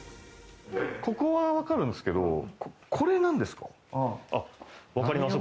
ここはわかるんですけど、これ、なんですか？